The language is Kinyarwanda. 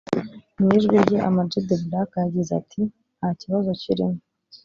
Mu ijwi rye Amag The Black yagize ati “Nta kibazo kirimo